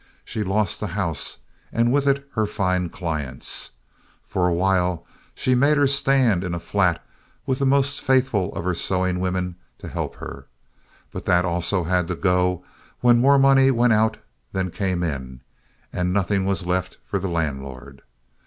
She lost the house, and with it her fine clients. For a while she made her stand in a flat with the most faithful of her sewing women to help her. But that also had to go when more money went out than came in and nothing was left for the landlord.